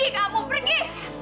pergi kamu pergi